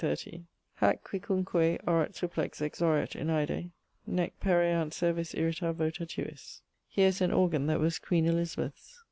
30): Hac quicunque orat supplex exoret in aede, Nec pereant servis irrita vota tuis. Here is an organ that was queen Elizabeth's.